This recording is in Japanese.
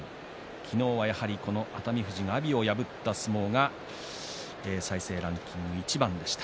昨日はやはり熱海富士が阿炎を破った相撲が再生ランキング１位でした。